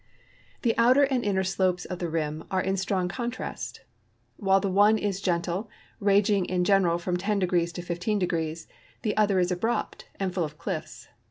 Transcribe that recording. The outer and inner slopes of the rim are in strong contrast ; wiiilo the one is gentle, ranging in general from 10° to lo*^. the other is al)rupt and full of cliffs.